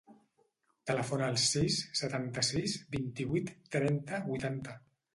Telefona al sis, setanta-sis, vint-i-vuit, trenta, vuitanta.